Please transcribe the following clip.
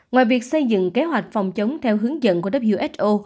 ngoài việc xây dựng kế hoạch phòng chống theo hướng dẫn của who